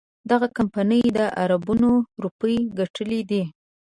دغه کمپنۍ اربونه روپۍ ګټلي دي.